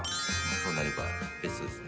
そうなればベストですね。